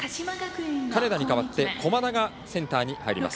そして、センターに金田に代わって駒田がセンターに入ります。